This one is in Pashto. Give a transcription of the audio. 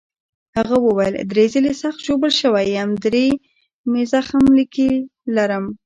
هغه وویل: درې ځلي سخت ژوبل شوی یم، درې د زخم لیکې لرم.